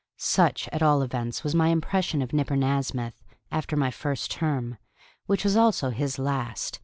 Such, at all events, was my impression of Nipper Nasmyth, after my first term, which was also his last.